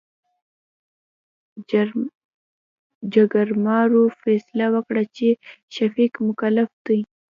جرګمارو فيصله وکړه چې، شفيق مکلف دى.